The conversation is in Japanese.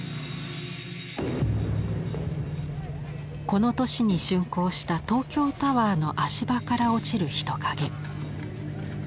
この年に竣工した東京タワーの足場から落ちる人影。